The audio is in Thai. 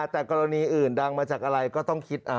แต่กรณีอื่นดังมาจากอะไรก็ต้องคิด